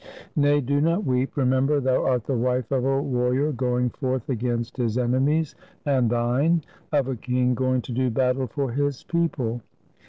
Nay, do not weep. Remember, thou art the wife of a warrior going forth against his enemies and thine, of a king going to do battle for his people.